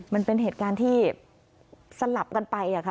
มันเป็นเหตุการณ์ที่สลับกันไปค่ะ